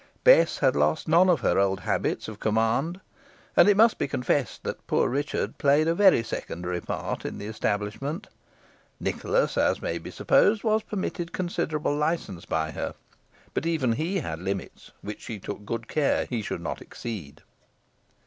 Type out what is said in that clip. Bess had lost none of her old habits of command, and it must be confessed that poor Richard played a very secondary part in the establishment. Nicholas, as may be supposed, was permitted considerable licence by her, but even he had limits, which she took good care he should not exceed.